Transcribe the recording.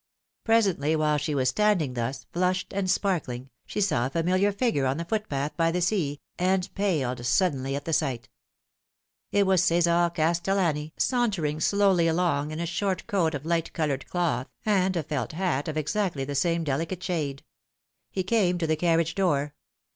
Presently, while she was standing thus, flushed and sparkling, she saw a familiar figure on the footpath by the sea, and paled suddenly at the sight. It was Csar Caatellani, sauntering slowly along, in a short 292 The Fatal Three. coat of light coloured cloth, and a felt hat of exactly the same uelicate shade. He came to the carriage door.